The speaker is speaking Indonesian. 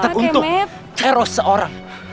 tetap untuk eros seorang